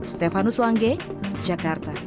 stefanus wangge jakarta